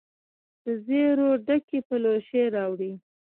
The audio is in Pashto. دزیرو ډکي پلوشې راوړي